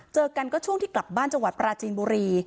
เจอกันก็ช่วงที่กลับบ้านจังหวัดปราจีนบุรี